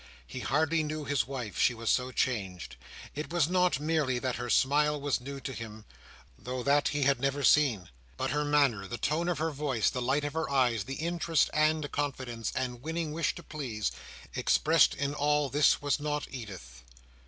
He hardly knew his wife. She was so changed. It was not merely that her smile was new to him—though that he had never seen; but her manner, the tone of her voice, the light of her eyes, the interest, and confidence, and winning wish to please, expressed in all this was not Edith.